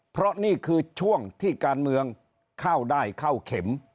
เพราะนี่คือช่วงที่การเมืองเข้าได้เข้าเข็ม